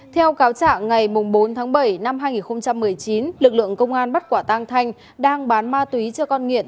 theo cáo trạng ngày bốn tháng bảy năm hai nghìn một mươi chín lực lượng công an bắt quả tang thanh đang bán ma túy cho con nghiện